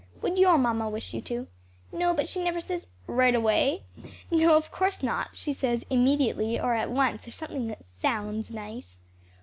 Would your mamma wish you to?" "No, but she never says " "Right away? No, of course not; she says 'immediately' or 'at once' or something that sounds nice.